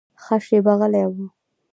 ښه شېبه غلی و.